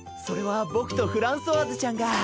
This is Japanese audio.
それは僕とフランソワーズちゃんが。